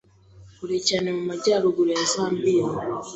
kure cyane mu majyaruguru ya Zambiya